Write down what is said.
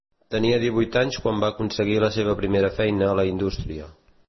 Tenia divuit anys quan va aconseguir la seva primera feina a la indústria.